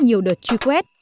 nhiều đợt truy quét